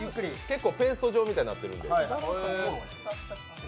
ペースト状みたいになってるんで。